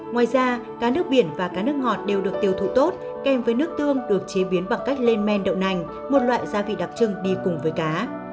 ngoài ra cá nước biển và cá nước ngọt đều được tiêu thụ tốt kèm với nước tương được chế biến bằng cách lên men đậu nành một loại gia vị đặc trưng đi cùng với cá